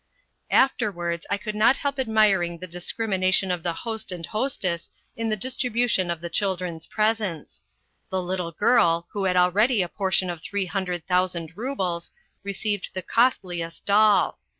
Afterwards I could not help admiring the discrimination of the host and hostess in the distribution of the children's presents. The little girl, who had already a portion of three hundred thousand roubles, received the costliest doll.